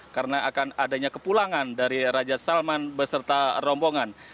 karena akan adanya kepulangan dari raja salman beserta rombongan